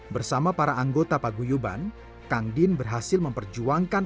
bersama para anggota paguyuban kang din berhasil memperjuangkan